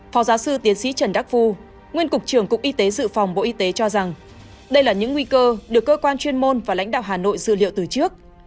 phó giáo sư tiến sĩ trần đắc phu nguyên cục trưởng cục y tế dự phòng bộ y tế cho rằng đây là những nguy cơ được cơ quan chuyên môn và lãnh đạo hà nội dự liệu từ trước